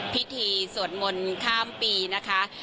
สวดมนต์ข้ามปีนะคะ